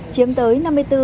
chiếm tới năm mươi bốn sáu